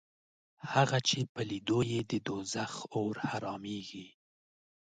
هغه چې په لیدو یې د دوزخ اور حرامېږي